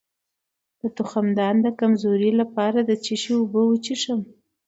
د تخمدان د کمزوری لپاره د څه شي اوبه وڅښم؟